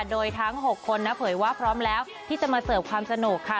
โดยทั้ง๖คนนะเผยว่าพร้อมแล้วที่จะมาเสิร์ฟความสนุกค่ะ